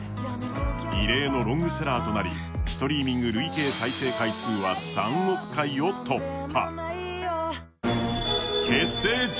異例のロングセラーとなりストリーミング再生回数は３億回を突破。